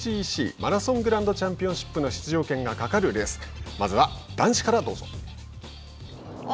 ＭＧＣ＝マラソングランドチャンピオンシップの出場権がかかるレース。